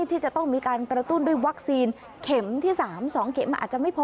ที่จะต้องมีการกระตุ้นด้วยวัคซีนเข็มที่๓๒เข็มมันอาจจะไม่พอ